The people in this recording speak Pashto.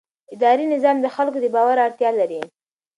اداري نظام د خلکو د باور اړتیا لري.